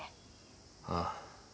ああ。